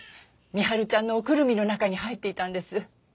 深春ちゃんのおくるみの中に入っていたんです。